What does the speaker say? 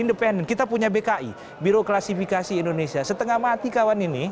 independent kita punya bki biro klasifikasi indonesia setengah mati kawan ini